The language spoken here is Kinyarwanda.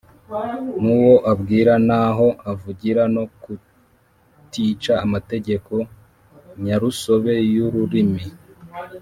n’uwo abwira n’aho avugira no kutica amategeko nyarusobe y’ururimi.